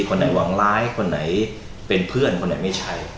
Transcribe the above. คนไหนหวังร้ายคนไหนเป็นเพื่อนคนไหนไม่ใช่